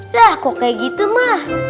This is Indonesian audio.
dah kok kayak gitu mah